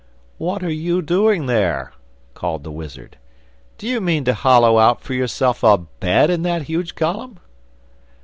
'What are you doing there?' called the wizard, 'do you mean to hollow out for yourself a bed in that huge column?